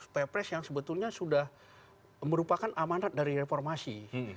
perpres yang sebetulnya sudah merupakan amanat dari reformasi